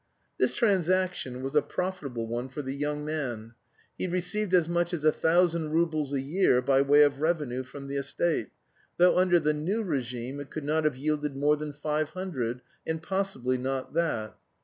This transaction was a profitable one for the young man. He received as much as a thousand roubles a year by way of revenue from the estate, though under the new regime it could not have yielded more than five hundred, and possibly not that.